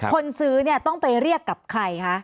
คนซื้อเนี่ยต้องไปเรียกกับใครคะ